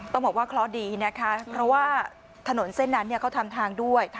ต้องบอกว่าเคราะห์ดีนะคะเพราะว่าถนนเส้นนั้นเขาทำทางด้วย